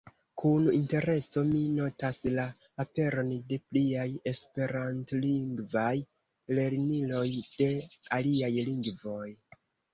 Kun intereso mi notas la aperon de pliaj esperantlingvaj lerniloj de aliaj lingvoj.